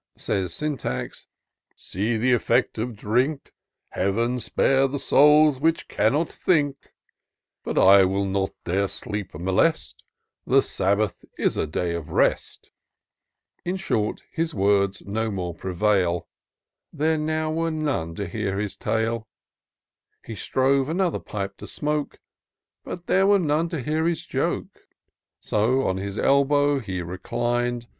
Says Syntax, " See the effect of drink ! Heav'n spare the souls which cannot think ! I IN SEARCH OF THE PICTURESQUE. 255 But I will not their sleep molest ; The Sabbath is a day of rest." In short, his words no more prevail ; There now were none to hear his tale : He strove another pipe to smoke, But there were none to hear his joke ; So on his elbow he reclin'd.